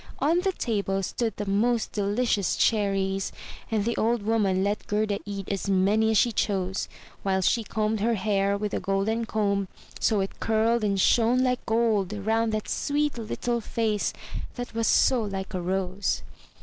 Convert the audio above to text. On the table stood the most delicious cherries, and the old Woman let Gerda eat as many as she chose, while she combed her hair with a golden comb so it curled and shone like gold round that sweet little face that was so like a rose.